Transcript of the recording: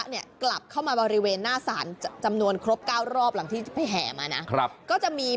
เนี่ยกลับเข้ามาบริเวณหน้าศาลจำนวนครบ๙รอบหลังที่ไปแห่มานะก็จะมี